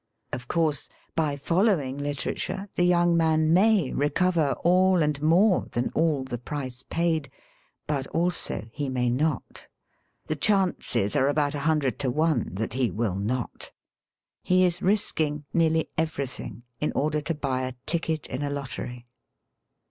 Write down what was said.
Of course, by following literature the young man may re 1 RUNNING AWAY FROM LIFE it cover all and more than all the price paid* But also he may not. The chances are about a hun dreid to one that he will not. He is risking nearly everything in order to buy a ticket in a lottery.